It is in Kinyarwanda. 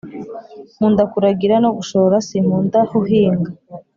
Nkunda kuragira no gushora sinkunda huhinga.